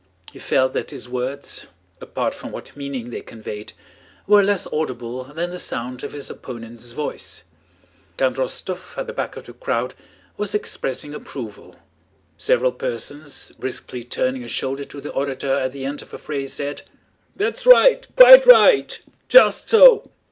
He felt that his words, apart from what meaning they conveyed, were less audible than the sound of his opponent's voice. Count Rostóv at the back of the crowd was expressing approval; several persons, briskly turning a shoulder to the orator at the end of a phrase, said: "That's right, quite right! Just so!"